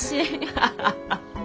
アハハハハ。